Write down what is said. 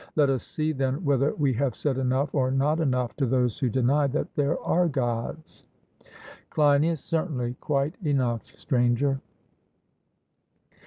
Let us see, then, whether we have said enough or not enough to those who deny that there are Gods. CLEINIAS: Certainly, quite enough, Stranger.